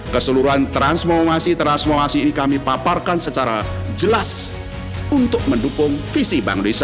keseluruhan transformasi transformasi ini kami paparkan secara jelas untuk mendukung visi bangsa